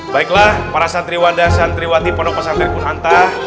baiklah para santri wadah santri watih pendukung santri punhantah